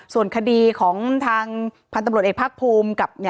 ส่วนคดีของทางพันธุ์ตำรวจเอกภาคภูมิกับ